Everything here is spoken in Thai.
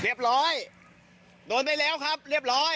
เรียบร้อยโดนไปแล้วครับเรียบร้อย